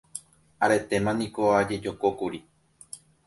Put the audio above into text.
Aretéma niko ajejokókuri.